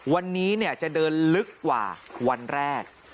วันนี้จะเดินลึกกว่าวันแรก